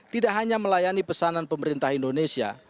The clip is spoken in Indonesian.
tidak hanya melayani pesanan pemerintah indonesia